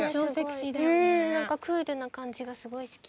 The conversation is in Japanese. うん何かクールな感じがすごい好き。